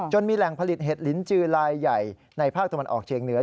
มีแหล่งผลิตเห็ดลิ้นจือลายใหญ่ในภาคตะวันออกเชียงเหนือ